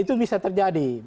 itu bisa terjadi